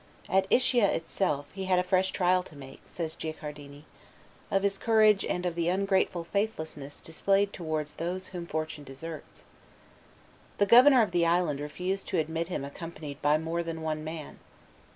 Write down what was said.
At Ischia itself "he had a fresh trial to make," says Guicciardini, "of his courage and of the ungrateful faithlessness displayed towards those whom Fortune deserts." The governor of the island refused to admit him accompanied by more than one man.